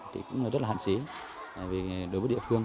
thì cũng rất là hạn xí đối với địa phương